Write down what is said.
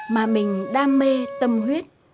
mà mình đam mê tâm huyết